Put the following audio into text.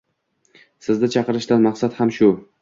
Sizdi chaqirishdan maqsad ham shu